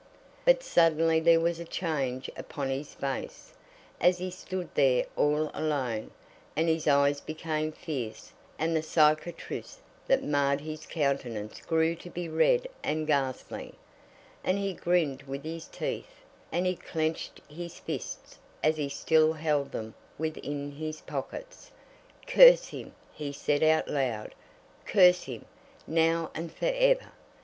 But suddenly there was a change upon his face, as he stood there all alone, and his eyes became fierce, and the cicatrice that marred his countenance grew to be red and ghastly, and he grinned with his teeth, and he clenched his fists as he still held them within his pockets. "Curse him!" he said out loud. "Curse him, now and for ever!"